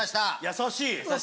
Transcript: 優しい！